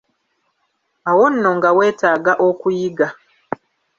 Awo nno nga weetaga okuyiga.